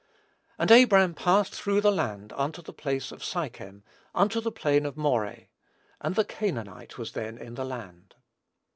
"And Abram passed through the land unto the place of Sichem, unto the plain of Moreh. And the Canaanite was then in the land."